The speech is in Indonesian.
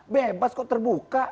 bebas kok terbuka